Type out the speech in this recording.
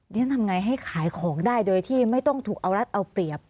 ฉันทำไงให้ขายของได้โดยที่ไม่ต้องถูกเอารัดเอาเปรียบ